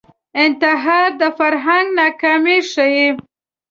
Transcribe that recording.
انتحار د فرهنګ ناکامي ښيي